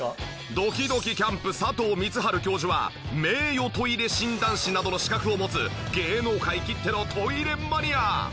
どきどきキャンプ佐藤満春教授は名誉トイレ診断士などの資格を持つ芸能界きってのトイレマニア！